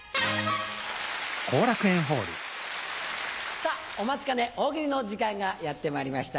さぁお待ちかね大喜利の時間がやってまいりました。